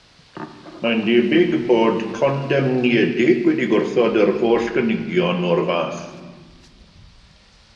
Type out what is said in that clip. Mae'n debyg bod y condemniedig wedi gwrthod yr holl gynigion o'r fath.